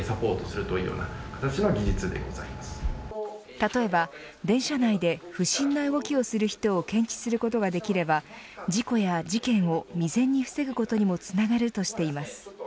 例えば電車内で不審な動きをする人を検知することができれば事故や事件を未然に防ぐことにもつながるとしています。